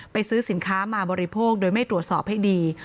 ซื้อสินค้ามาบริโภคโดยไม่ตรวจสอบให้ดี